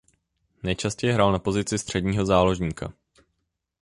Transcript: Nejčastěji hrál na pozici středního záložníka.